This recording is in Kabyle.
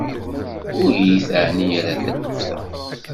Ur yi-teɛni ara taluft-a.